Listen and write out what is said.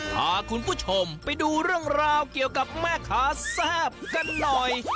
พาคุณผู้ชมไปดูเรื่องราวเกี่ยวกับแม่ค้าแซ่บกันหน่อย